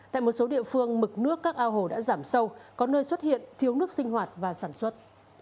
tại một số địa phương mực nước các ao hồ đã giảm sâu có nơi xuất hiện thiếu nước sinh hoạt và sản xuất